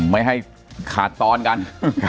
ไม่ให้ขาดตอนกัน